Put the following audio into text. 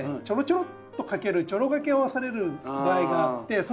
ちょろちょろっとかけるちょろがけをされる場合があって。